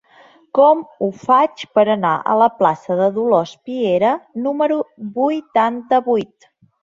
Com ho faig per anar a la plaça de Dolors Piera número vuitanta-vuit?